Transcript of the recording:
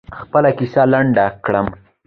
خپله کیسه لنډه کړم.